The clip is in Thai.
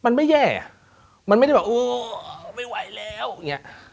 มันไม่แย่อ่ะมันไม่ได้แบบเออไม่ไหวแล้วอย่างเงี้ย